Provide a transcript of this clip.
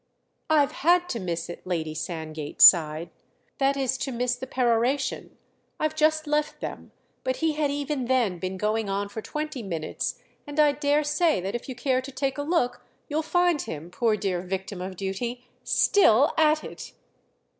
"I've had to miss it," Lady Sandgate sighed—"that is to miss the peroration. I've just left them, but he had even then been going on for twenty minutes, and I dare say that if you care to take a look you'll find him, poor dear victim of duty, still at it."